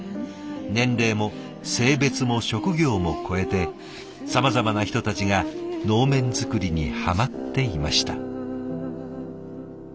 年齢も性別も職業も超えてさまざまな人たちが能面作りにハマっていました。